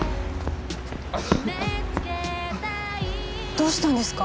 どうしたんですか？